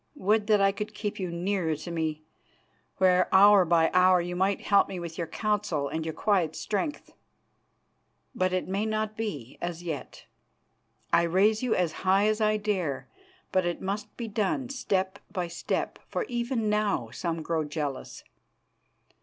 Would that I could keep you nearer to me, where hour by hour you might help me with your counsel and your quiet strength. But it may not be as yet. I raise you as high as I dare, but it must be done step by step, for even now some grow jealous.